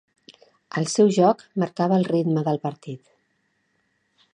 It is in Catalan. El seu joc marcava el ritme del partit.